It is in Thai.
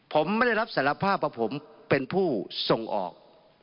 ผมไม่ได้รับสารภาพว่าผมเป็นผู้ส่งออก